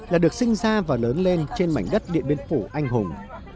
là được sinh ra và lớn lên trên mảnh đất điện biên phủ anh hùng